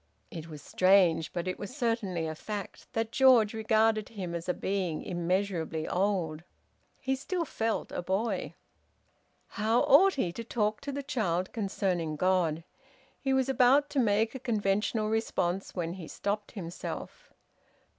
It was strange, but it was certainly a fact, that George regarded him as a being immeasurably old. He still felt a boy. How ought he to talk to the child concerning God? He was about to make a conventional response, when he stopped himself.